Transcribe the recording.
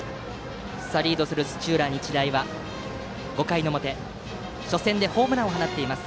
リードする土浦日大は５回の表初戦でホームランを放っています